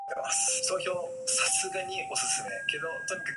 Member institutions are located in Indiana, Kentucky and Ohio.